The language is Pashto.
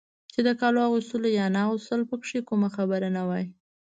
چې د کالو اغوستل یا نه اغوستل پکې کومه خبره نه وای.